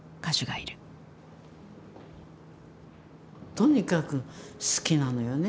とにかく好きなのよね